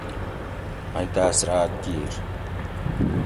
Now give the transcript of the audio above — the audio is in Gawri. مئ تاۤس راۤت کِیر